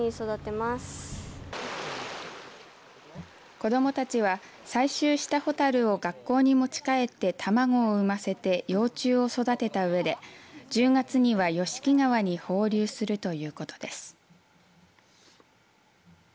子どもたちは採集したホタルを学校に持ち帰って卵を産ませて幼虫を育てたうえで１０月には吉敷川に放流するということです。